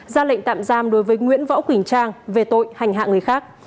ra lệnh tạm giam đối với nguyễn võ quỳnh trang về tội hành hạ người khác